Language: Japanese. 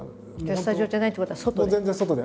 スタジオじゃないってことは外で？